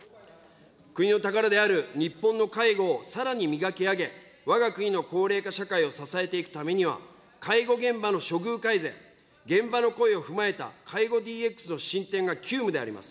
国の宝である日本の介護をさらに磨き上げ、わが国の高齢化社会を支えていくためには、介護現場の処遇改善、現場の声を踏まえた介護ＤＸの進展が急務であります。